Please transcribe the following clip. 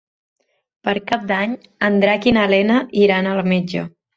Per Cap d'Any en Drac i na Lena iran al metge.